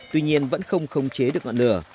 tuy nhiên vẫn không khống chế được ngọn lửa